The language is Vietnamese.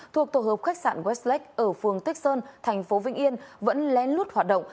thuộc tổ hợp khách sạn westlake ở phường tích sơn tp vĩnh yên vẫn len lút hoạt động